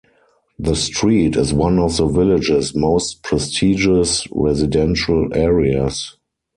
The street is one of the village's most prestigious residential areas.